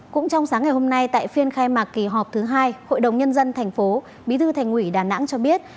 cũng trong sáng ngày hôm nay tại phiên khai mạc kỳ họp thứ hai hội đồng nhân dân thành phố bí thư thành ủy đà nẵng cho biết